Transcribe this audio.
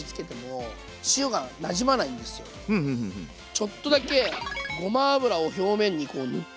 ちょっとだけごま油を表面にこう塗って。